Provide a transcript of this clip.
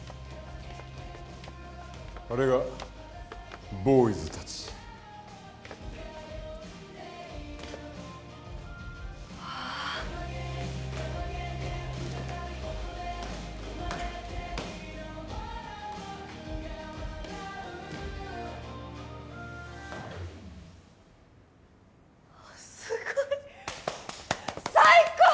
あれがボーイズたちわあすごい最高！